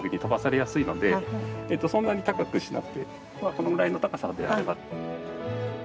このぐらいの高さであれば。